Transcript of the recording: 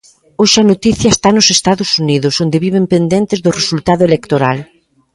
Hoxe a noticia está nos Estados Unidos, onde viven pendentes do resultado electoral.